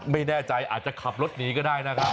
ไม่แน่ใจอาจจะขับรถหนีก็ได้นะครับ